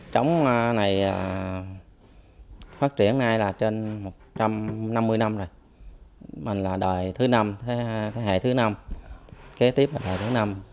trống này phát triển nay là trên một trăm năm mươi năm rồi mình là đời thứ năm thế hệ thứ năm kế tiếp là thế hệ thứ năm